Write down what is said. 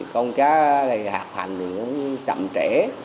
con cá này hạt hành chậm trẻ